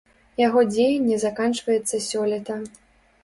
Яго дзеянне заканчваецца сёлета.